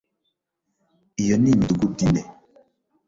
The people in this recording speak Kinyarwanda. Iyo ni imidugudu ine